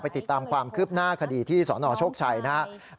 ติดตามความคืบหน้าคดีที่สนโชคชัยนะครับ